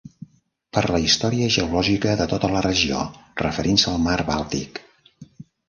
Per la història geològica de tota la regió, referir-se al Mar Bàltic.